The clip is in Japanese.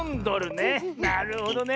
なるほどね。